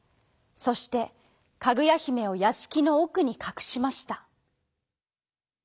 そしてかぐやひめをやしきのおくにかくしました。